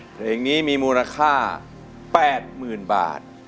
เพลงนี้มีมูลค่า๘หมื่นบาท